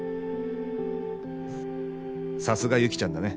「さすが雪ちゃんだね。